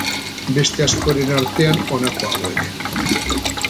Beste askoren artean honako hauek.